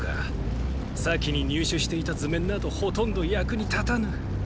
先に入手していた図面などほとんど役に立たぬ。